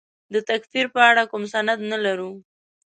د تکفیر په اړه کوم سند نه لرو.